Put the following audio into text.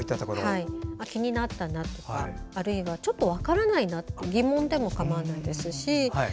気になったなとかあるいはちょっと分からないとか疑問でもかまわないですし